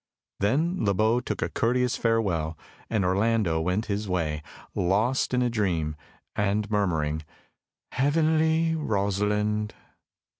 Then Le Beau took a courteous farewell, and Orlando went his way, lost in a dream, and murmuring "Heavenly Rosalind!"